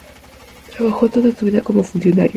Trabajó toda su vida como funcionario.